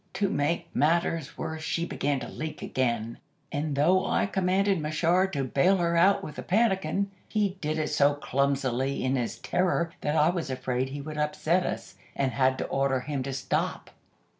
To make matters worse she began to leak again, and although I commanded Machard to bail her out with a pannikin, he did it so clumsily in his terror that I was afraid he would upset us, and had to order him to stop.